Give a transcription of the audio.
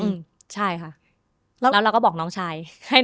แล้วเราก็บอกน้องชาย